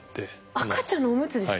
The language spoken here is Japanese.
赤ちゃんのおむつですか？